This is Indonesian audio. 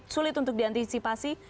sulit untuk diantisipasi